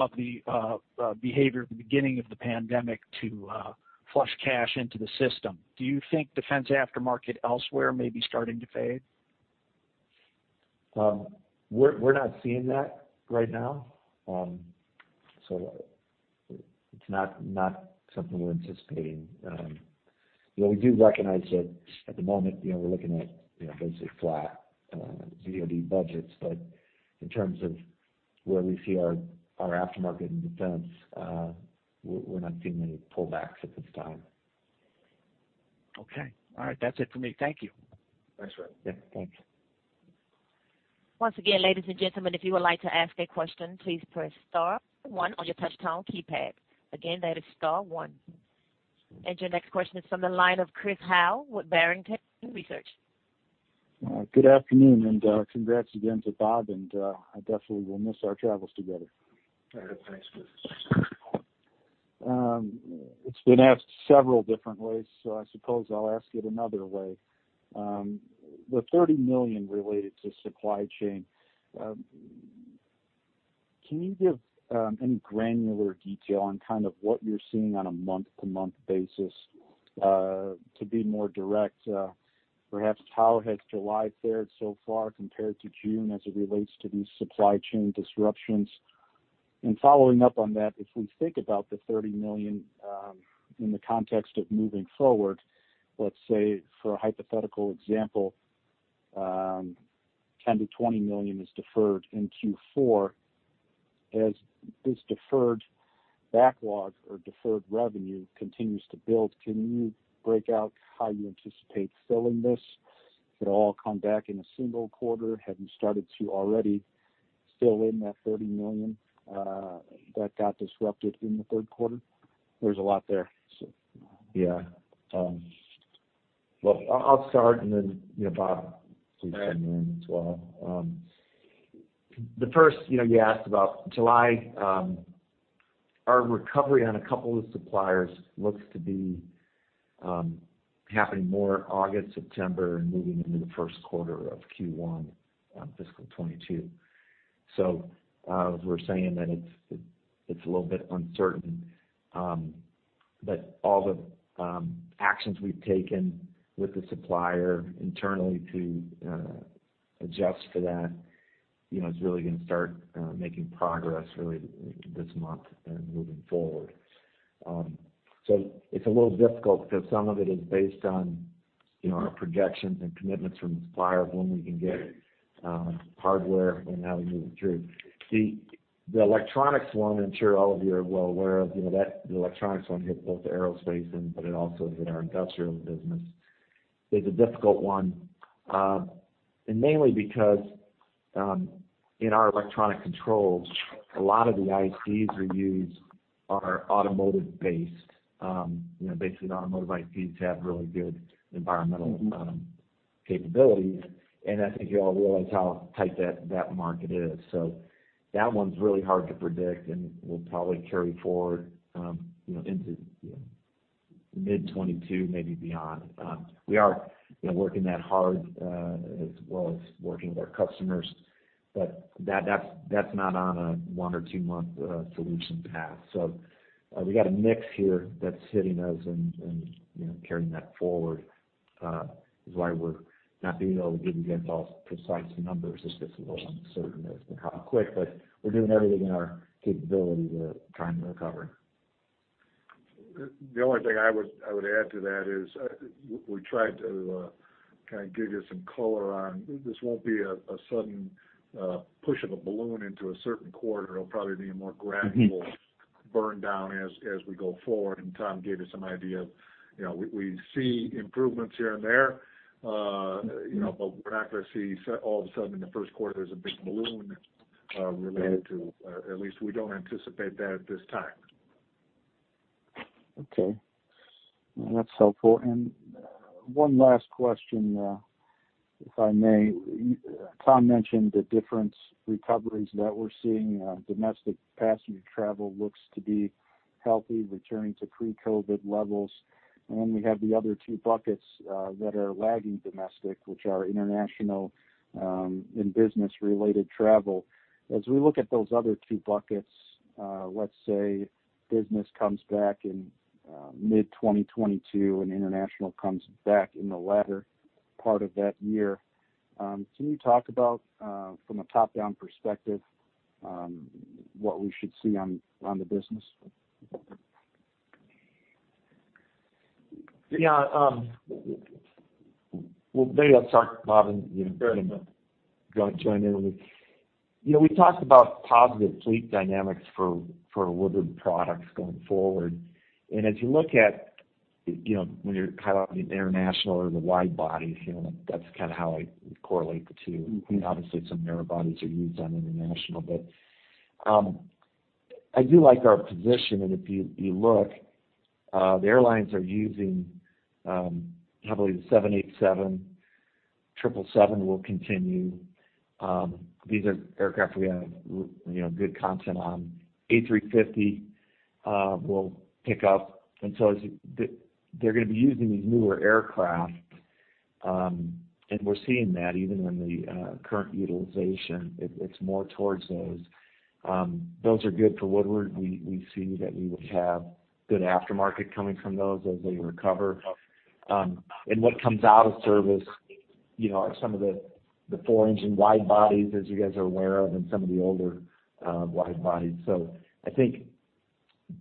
of the behavior at the beginning of the pandemic to flush cash into the system. Do you think defense aftermarket elsewhere may be starting to fade?
We're not seeing that right now. It's not something we're anticipating. We do recognize that at the moment, we're looking at basically flat DoD budgets. In terms of where we see our aftermarket in defense, we're not seeing any pullbacks at this time.
Okay. All right. That's it for me. Thank you.
Thanks, Rob.
Yeah. Thanks.
Once again, ladies and gentlemen, if you would like to ask a question, please press star one on your touchtone keypad. That is star one. Your next question is from the line of Chris Howe with Barrington Research.
Good afternoon. Congrats again to Bob. I definitely will miss our travels together.
Thanks, Chris.
It's been asked several different ways, so I suppose I'll ask it another way. The $30 million related to supply chain, can you give any granular detail on what you're seeing on a month-to-month basis? To be more direct, perhaps how has July fared so far compared to June as it relates to these supply chain disruptions? Following up on that, if we think about the $30 million in the context of moving forward, let's say for a hypothetical example, $10 million-$20 million is deferred in Q4. As this deferred backlog or deferred revenue continues to build, can you break out how you anticipate filling this? Could it all come back in a single quarter? Have you started to already? Still in that $30 million that got disrupted in the third quarter? There's a lot there.
I'll start, and then Bob, please chime in as well. The first, you asked about July. Our recovery on a couple of suppliers looks to be happening more August, September, and moving into the first quarter of Q1 fiscal 2022. We're saying that it's a little bit uncertain. All the actions we've taken with the supplier internally to adjust for that, is really going to start making progress really this month and moving forward. It's a little difficult because some of it is based on our projections and commitments from the supplier of when we can get hardware and how we move it through. The electronics one, I'm sure all of you are well aware of. The electronics one hit both aerospace, but it also is in our industrial business, is a difficult one. Mainly because in our electronic controls, a lot of the ICs we use are automotive based. Basically the automotive ICs have really good environmental capabilities, and I think you all realize how tight that market is. That one's really hard to predict and will probably carry forward into mid-2022, maybe beyond. We are working that hard, as well as working with our customers. That's not on a one or two-month solution path. We got a mix here that's hitting us and carrying that forward. Is why we're not being able to give you guys all precise numbers, it's just a little uncertain as to how quick, but we're doing everything in our capability to try and recover.
The only thing I would add to that is, we tried to give you some color on, this won't be a sudden push of a balloon into a certain quarter. It'll probably be a more gradual burn down as we go forward. Tom gave you some idea of, we see improvements here and there. We're not going to see all of a sudden in the first quarter, there's a big balloon related to, at least we don't anticipate that at this time.
That's helpful. One last question, if I may. Tom mentioned the different recoveries that we're seeing. Domestic passenger travel looks to be healthy, returning to pre-COVID levels. We have the other two buckets that are lagging domestic, which are international and business-related travel. As we look at those other two buckets, let's say business comes back in mid 2022 and international comes back in the latter part of that year. Can you talk about, from a top-down perspective, what we should see on the business?
Well, maybe I'll start, Bob, and you can certainly join in with. We talked about positive fleet dynamics for Woodward products going forward. As you look at when you're kind of on the international or the wide-bodies, that's kind of how I correlate the two. Obviously some narrow bodies are used on international, but I do like our position. If you look, the airlines are using, I believe the 787, 777 will continue. A350 will pick up. They're going to be using these newer aircraft, and we're seeing that even in the current utilization. It's more towards those. Those are good for Woodward. We see that we would have good aftermarket coming from those as they recover. What comes out of service, are some of the four-engine wide-bodies, as you guys are aware of, and some of the older wide-bodies. I think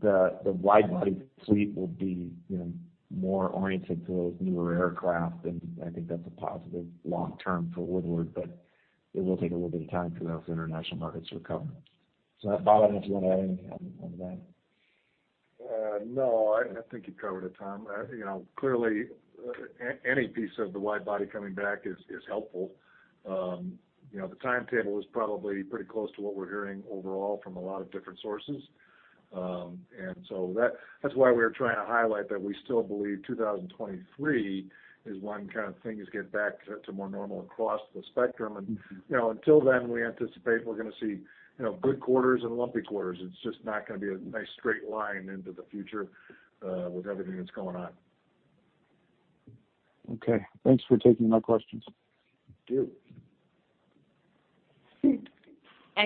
the wide-body fleet will be more oriented to those newer aircraft, and I think that's a positive long term for Woodward. It will take a little bit of time for those international markets to recover. Bob, I don't know if you want to add anything on that.
I think you covered it, Tom. Clearly, any piece of the wide-body coming back is helpful. The timetable is probably pretty close to what we're hearing overall from a lot of different sources. That's why we were trying to highlight that we still believe 2023 is when kind of things get back to more normal across the spectrum. Until then, we anticipate we're going to see good quarters and lumpy quarters. It's just not going to be a nice straight line into the future, with everything that's going on.
Okay. Thanks for taking my questions.
Thank you.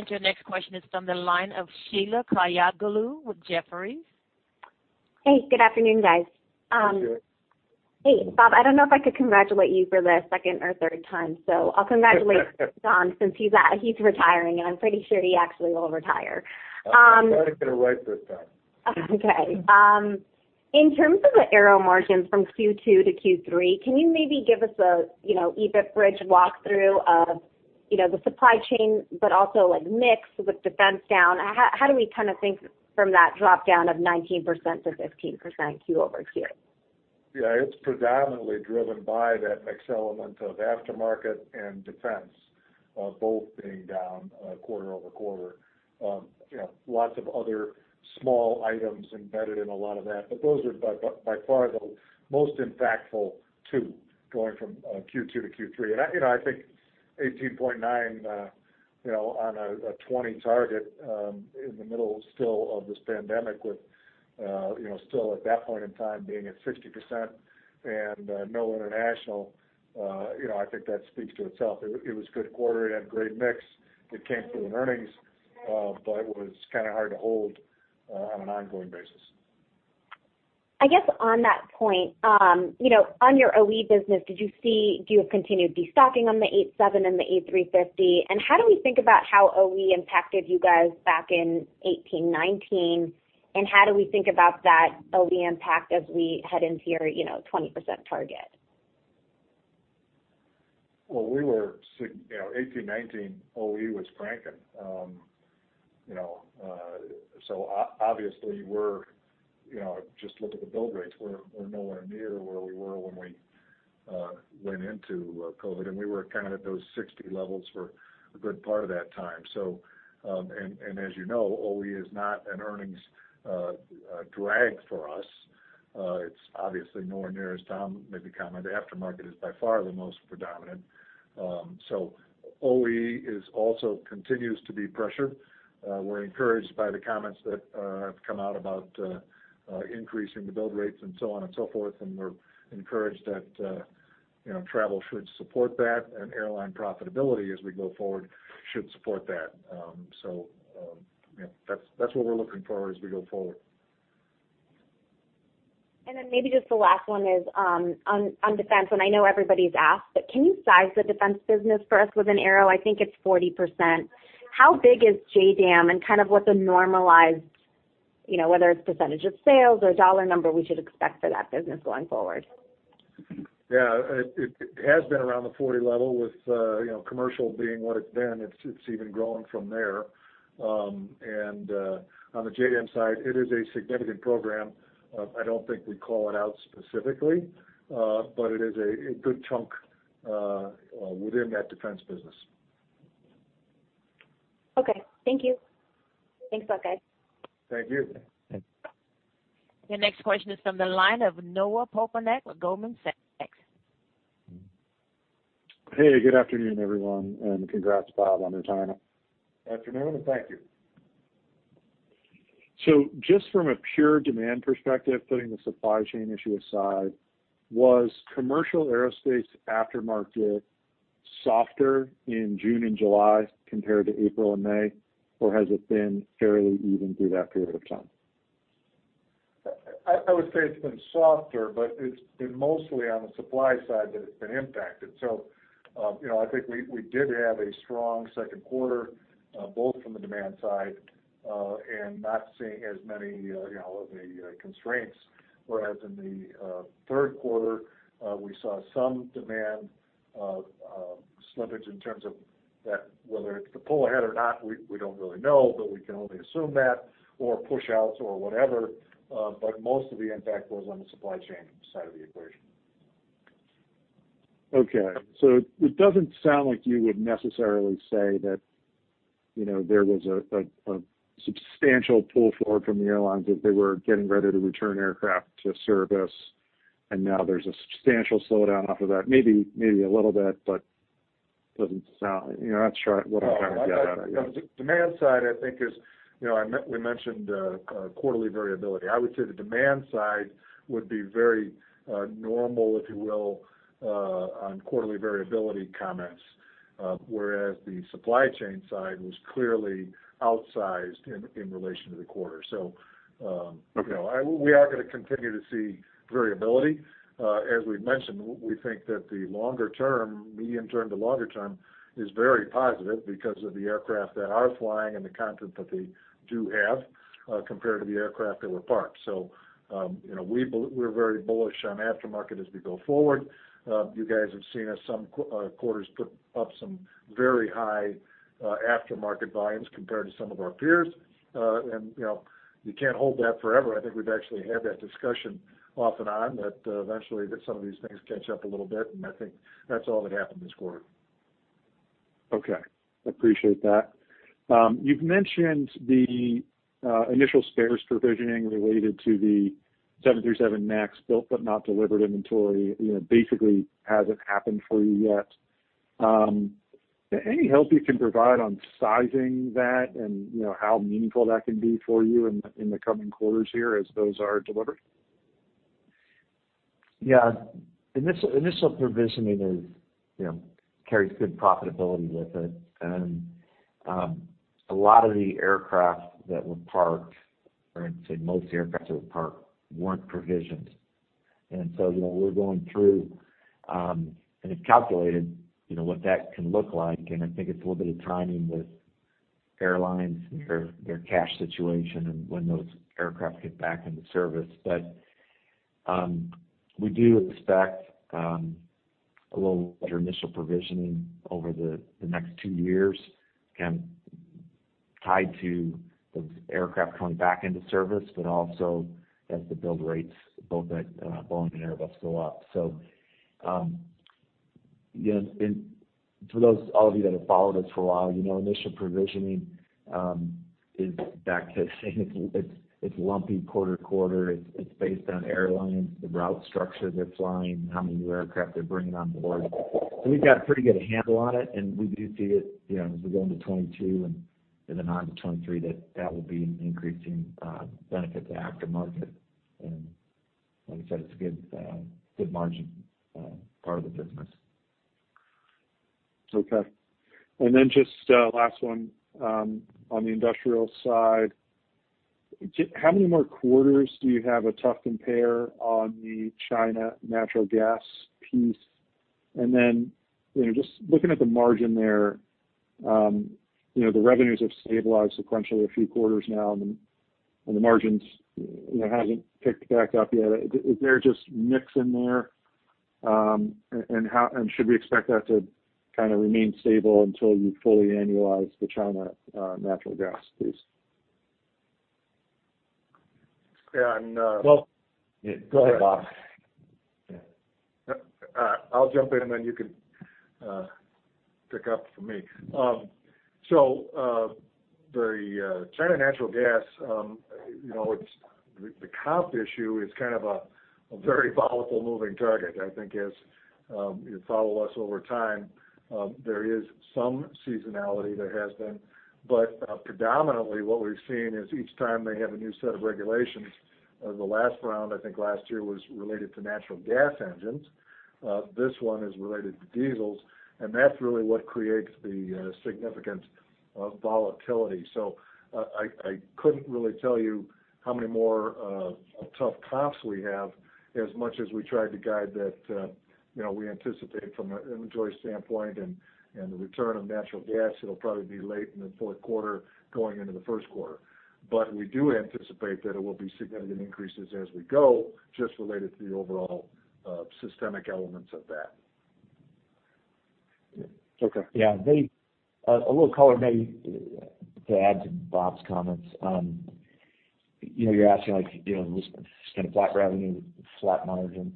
Your next question is from the line of Sheila Kahyaoglu with Jefferies.
Hey, good afternoon, guys. Hey, Bob, I don't know if I could congratulate you for the second or third time, so I'll congratulate Tom since he's retiring, and I'm pretty sure he actually will retire.
I've got it right this time.
Okay. In terms of the aero margins from Q2 to Q3, can you maybe give us a EBIT bridge walkthrough of the supply chain, but also like mix with defense down? How do we kind of think from that drop down of 19% to 15% Q-over-Q?
It's predominantly driven by that mix element of aftermarket and defense, both being down quarter-over-quarter. Lots of other small items embedded in a lot of that. Those are by far the most impactful two going from Q2 to Q3. I think 18.9 on a 20 target in the middle still of this pandemic with still at that point in time being at 60% and no international, I think that speaks to itself. It was a good quarter. It had great mix. It came through in earnings. It was kind of hard to hold on an ongoing basis.
I guess on that point, on your OE business, do you have continued de-stocking on the 787 and the A350? How do we think about how OE impacted you guys back in 2018, 2019, and how do we think about that OE impact as we head into your 20% target?
Well, 2018, 2019, OE was cranking. Obviously just look at the build rates. We're nowhere near where we were when we went into COVID. We were kind of at those 60 levels for a good part of that time. As you know, OE is not an earnings drag for us. It's obviously nowhere near as Tom maybe commented, aftermarket is by far the most predominant. OE also continues to be pressured. We're encouraged by the comments that have come out about increasing the build rates and so on and so forth. We're encouraged that travel should support that, and airline profitability as we go forward should support that. That's what we're looking for as we go forward.
Maybe just the last one is on defense, and I know everybody's asked, but can you size the defense business for us with an arrow? I think it's 40%. How big is JDAM and kind of what the normalized, whether it's percentage of sales or dollar number we should expect for that business going forward?
It has been around the 40 level with commercial being what it's been. It's even grown from there. On the JDAM side, it is a significant program. I don't think we call it out specifically. It is a good chunk within that defense business.
Okay. Thank you. Thanks, guys.
Thank you.
Your next question is from the line of Noah Poponak with Goldman Sachs.
Good afternoon, everyone, and congrats, Bob, on retirement.
Afternoon, thank you.
Just from a pure demand perspective, putting the supply chain issue aside, was commercial aerospace aftermarket softer in June and July compared to April and May, or has it been fairly even through that period of time?
I would say it's been softer, but it's been mostly on the supply side that it's been impacted. I think we did have a strong second quarter, both from the demand side, and not seeing as many of the constraints. Whereas in the third quarter, we saw some demand slippage in terms of that, whether it's the pull ahead or not, we don't really know, but we can only assume that, or push outs or whatever. Most of the impact was on the supply chain side of the equation.
It doesn't sound like you would necessarily say that there was a substantial pull forward from the airlines, that they were getting ready to return aircraft to service, and now there's a substantial slowdown off of that. Maybe a little bit, but that's what I'm trying to get at.
The demand side, we mentioned quarterly variability. I would say the demand side would be very normal, if you will, on quarterly variability comments. The supply chain side was clearly outsized in relation to the quarter. We are going to continue to see variability. As we've mentioned, we think that the medium term to longer term is very positive because of the aircraft that are flying and the content that they do have, compared to the aircraft that were parked. We're very bullish on aftermarket as we go forward. You guys have seen us some quarters put up some very high aftermarket volumes compared to some of our peers. You can't hold that forever. I think we've actually had that discussion off and on, that eventually that some of these things catch up a little bit, and I think that's all that happened this quarter.
Appreciate that. You've mentioned the initial spares provisioning related to the 737 MAX built but not delivered inventory, basically hasn't happened for you yet. Any help you can provide on sizing that and how meaningful that can be for you in the coming quarters here as those are delivered?
Initial provisioning carries good profitability with it. A lot of the aircraft that were parked, or I'd say most aircraft that were parked, weren't provisioned. We're going through, and have calculated what that can look like, and I think it's a little bit of timing with airlines and their cash situation and when those aircraft get back into service. We do expect a little better initial provisioning over the next two years. Tied to the aircraft coming back into service, but also as the build rates both at Boeing and Airbus go up. For all of you that have followed us for a while, initial provisioning is back to saying it's lumpy quarter to quarter. It's based on airlines, the route structure they're flying, how many new aircraft they're bringing on board. We've got a pretty good handle on it, and we do see it, as we go into 2022 and into 2023, that will be an increasing benefit to aftermarket. Like I said, it's a good margin part of the business.
Then just last one, on the industrial side, how many more quarters do you have a tough compare on the China natural gas piece? Then, just looking at the margin there, the revenues have stabilized sequentially a few quarters now, and the margins haven't picked back up yet. Is there just mix in there, and should we expect that to kind of remain stable until you fully annualize the China natural gas piece?
Go ahead, Bob.
I'll jump in, and then you can pick up for me. The China natural gas, the comp issue is kind of a very volatile moving target. I think as you follow us over time, there is some seasonality. There has been. Predominantly what we're seeing is each time they have a new set of regulations. The last round, I think last year, was related to natural gas engines. This one is related to diesels, and that's really what creates the significant volatility. I couldn't really tell you how many more tough comps we have as much as we tried to guide that. We anticipate from an inventory standpoint and the return of natural gas, it'll probably be late in the fourth quarter going into the first quarter. We do anticipate that it will be significant increases as we go, just related to the overall systemic elements of that.
A little color, maybe to add to Bob's comments. You're asking like, this kind of flat revenue, flat margins.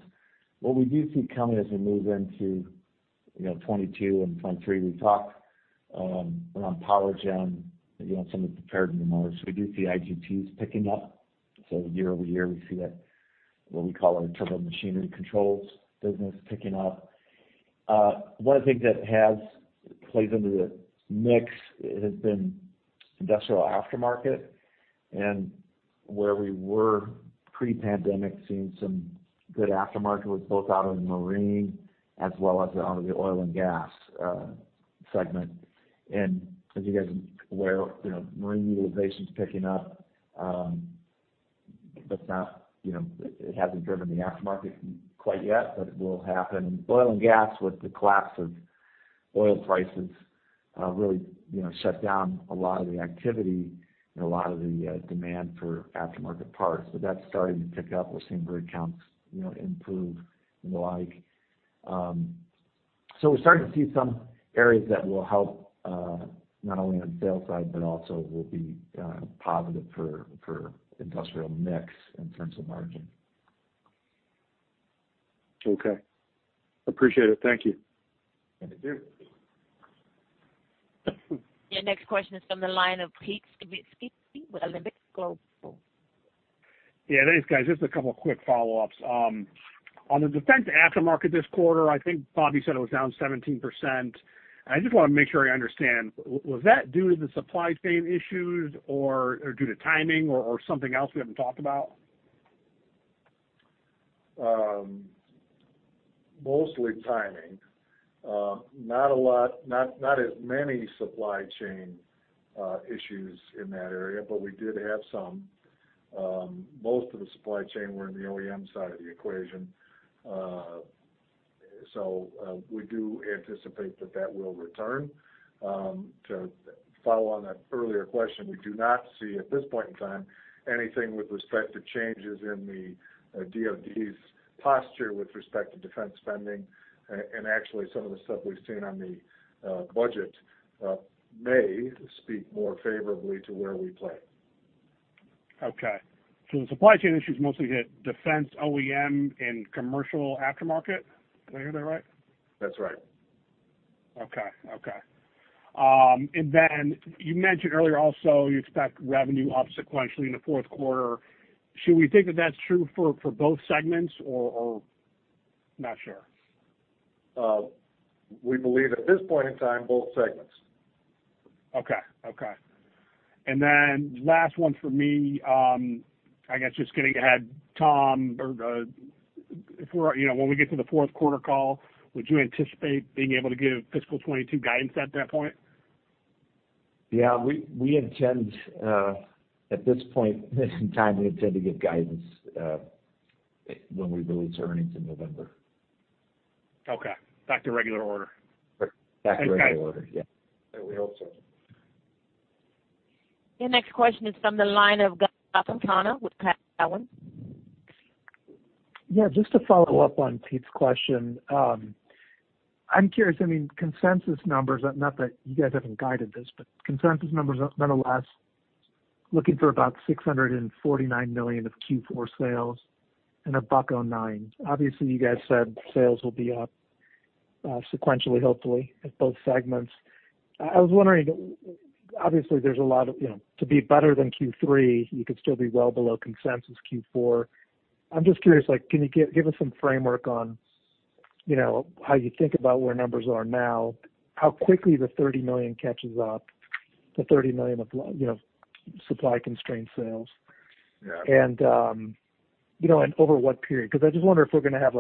What we do see coming as we move into 2022 and 2023, we talk around power gen, some of the repairs in the motors. We do see IGTs picking up. Year-over-year, we see that, what we call our internal machinery controls business picking up. One of the things that plays into the mix has been industrial aftermarket, and where we were pre-pandemic, seeing some good aftermarket was both out of marine as well as out of the oil and gas segment. As you guys are aware, marine utilization's picking up. It hasn't driven the aftermarket quite yet, but it will happen. Oil and gas with the collapse of oil prices really shut down a lot of the activity and a lot of the demand for aftermarket parts. That's starting to pick up. We're seeing rig counts improve and the like. We're starting to see some areas that will help, not only on the sales side, but also will be positive for industrial mix in terms of margin.
Okay. Appreciate it. Thank you.
Thank you.
Your next question is from the line of Pete Skibitski with Alembic Global.
Thanks guys. Just a couple of quick follow-ups. On the defense aftermarket this quarter, I think Bob said it was down 17%. I just want to make sure I understand. Was that due to the supply chain issues or due to timing or something else we haven't talked about?
Mostly timing. Not as many supply chain issues in that area, but we did have some. Most of the supply chain were in the OEM side of the equation. We do anticipate that that will return. To follow on that earlier question, we do not see, at this point in time, anything with respect to changes in the DoD's posture with respect to defense spending. Actually, some of the stuff we've seen on the budget may speak more favorably to where we play.
The supply chain issues mostly hit defense OEM and commercial aftermarket. Did I hear that right?
That's right.
You mentioned earlier also you expect revenue up sequentially in the fourth quarter. Should we think that that's true for both segments, or not sure?
We believe at this point in time, both segments.
Okay. Last one for me. I guess just getting ahead, Tom, when we get to the fourth quarter call, would you anticipate being able to give fiscal 2022 guidance at that point?
At this point in time, we intend to give guidance when we release earnings in November.
Okay. Back to regular order.
Back to regular order.
We hope so.
Your next question is from the line of Gautam Khanna with Cowen.
Just to follow up on Pete's question. I'm curious, consensus numbers, not that you guys haven't guided this, but consensus numbers nonetheless, looking for about $649 million of Q4 sales and $1.09. Obviously, you guys said sales will be up sequentially, hopefully, at both segments. I was wondering, obviously, to be better than Q3, you could still be well below consensus Q4. I'm just curious, can you give us some framework on how you think about where numbers are now, how quickly the $30 million catches up, the $30 million of supply-constrained sales. Over what period? I just wonder if we're going to have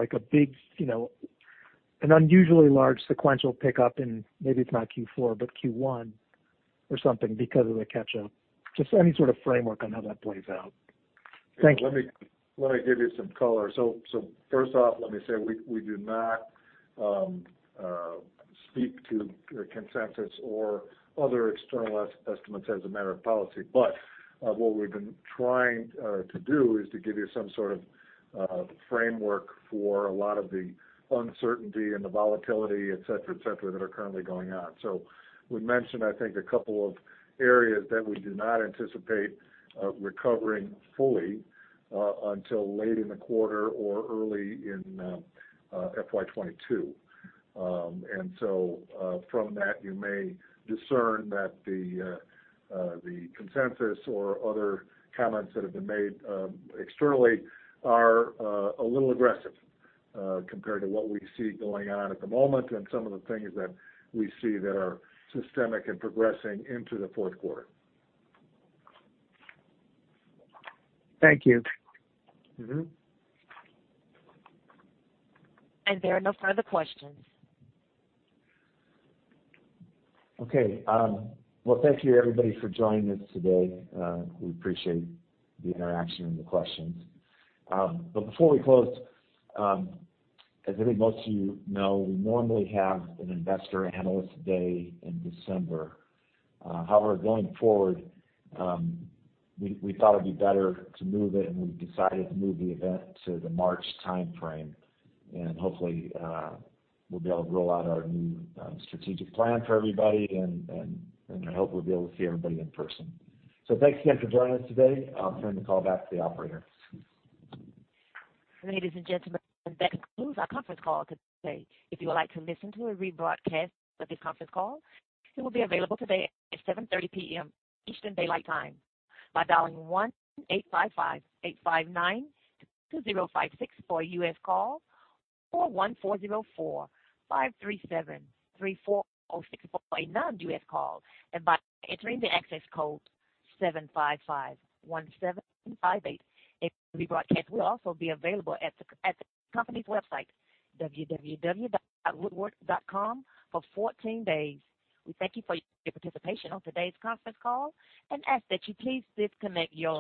an unusually large sequential pickup in, maybe it's not Q4, but Q1 or something because of the catch-up. Any sort of framework on how that plays out. Thank you.
Let me give you some color. First off, let me say, we do not speak to consensus or other external estimates as a matter of policy. What we've been trying to do is to give you some sort of framework for a lot of the uncertainty and the volatility, et cetera, et cetera, that are currently going on. We mentioned, I think, a couple of areas that we do not anticipate recovering fully until late in the quarter or early in FY 2022. From that, you may discern that the consensus or other comments that have been made externally are a little aggressive compared to what we see going on at the moment and some of the things that we see that are systemic and progressing into the fourth quarter.
Thank you.
There are no further questions.
Thank you everybody for joining us today. We appreciate the interaction and the questions. Before we close, as I think most of you know, we normally have an investor analyst day in December. However, going forward, we thought it'd be better to move it. We decided to move the event to the March timeframe. Hopefully we'll be able to roll out our new strategic plan for everybody. I hope we'll be able to see everybody in person. Thanks again for joining us today. I'll turn the call back to the operator.
Ladies and gentlemen, that concludes our conference call today. If you would like to listen to a rebroadcast of this conference call, it will be available today at 7:30 P.M. Eastern Daylight Time by dialing 1-855-859-2056 for a U.S. call or 1-404-537-3406 for a non-U.S. call, and by entering the access code 7551758. A rebroadcast will also be available at the company's website, www.woodward.com, for 14 days. We thank you for your participation on today's conference call and ask that you please disconnect your line.